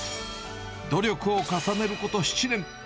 努力を重ねること７年。